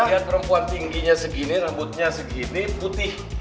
lihat perempuan tingginya segini rambutnya segini putih